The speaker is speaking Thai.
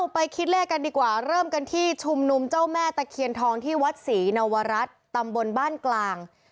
ไปคิดเลขกันดีกว่าเริ่มกันที่ชุมนุมเจ้าแม่ตะเคียนทองที่วัดศรีนวรัฐตำบลบ้านกลาง